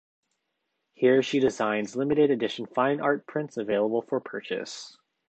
Here she designs limited edition fine art prints available for purchase.